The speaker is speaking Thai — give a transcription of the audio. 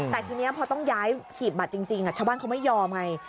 แต่ทีนี้พอต้องย้ายหีบบัตรจริงชาวบ้านเขาไม่ยอมไง